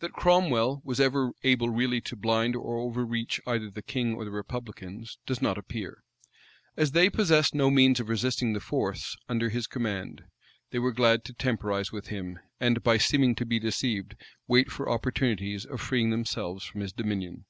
That Cromwell was ever able really to blind or overreach either the king or the republicans, does not appear: as they possessed no means of resisting the force under his command, they were glad to temporize with him, and, by seeming to be deceived, wait for opportunities of freeing themselves from his dominion.